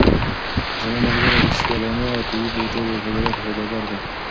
زما ملګری د سیاه دانې او طبي بوټو د صادراتو سوداګر دی.